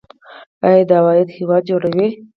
آیا دا عواید هیواد جوړوي؟